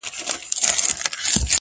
• لا پخپله هم د بار په منځ کي سپور وو,